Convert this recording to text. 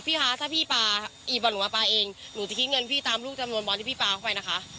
คะถ้าพี่ปลาอีบอลหนูมาปลาเองหนูจะคิดเงินพี่ตามลูกจำนวนบอลที่พี่ปลาเข้าไปนะคะ